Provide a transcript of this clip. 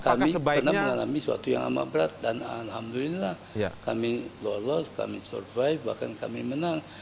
kami pernah mengalami suatu yang amat berat dan alhamdulillah kami lolos kami survive bahkan kami menang